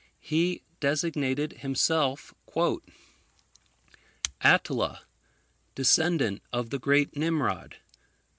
He designated himself "ATTILA, Descendant of the Great Nimrod.